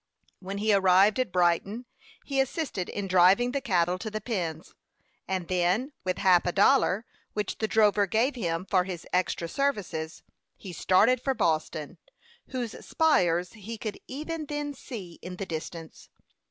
When he arrived at Brighton he assisted in driving the cattle to the pens; and then, with half a dollar, which the drover gave him for his extra services, he started for Boston, whose spires he could even then see in the distance.